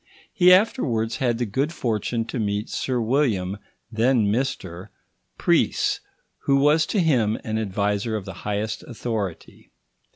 He afterwards had the good fortune to meet Sir William (then Mr) Preece, who was to him an adviser of the highest authority.